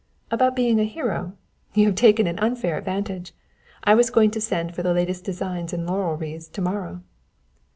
"About being a hero? You have taken an unfair advantage. I was going to send for the latest designs in laurel wreaths to morrow."